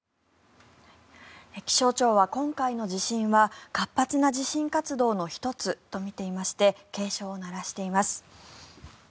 気象庁は今回の地震は活発な地震活動の１つとみていまして警鐘を鳴らしています。